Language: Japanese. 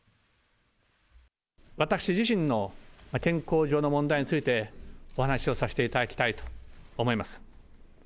私自身の健康上の問題について、お話をさせていただきたいと思います。